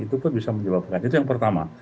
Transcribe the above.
itu pun bisa menyebabkan itu yang pertama